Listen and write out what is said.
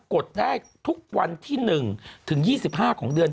กดได้ทุกวันที่๑ถึง๒๕ของเดือน